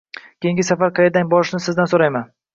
Keyingi safar qayerga borishni sizdan so'rayman.